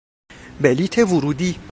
بلیط ورودی